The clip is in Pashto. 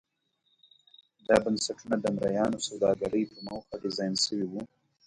دا بنسټونه د مریانو سوداګرۍ په موخه ډیزاین شوي وو.